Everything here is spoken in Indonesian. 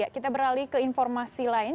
kita beralih ke informasi lain